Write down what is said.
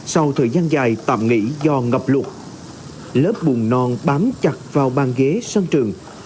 sau thời gian dài tạm nghỉ do ngập lụt lớp bùn non bám chặt vào ban ghế sân trường